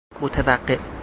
متوقع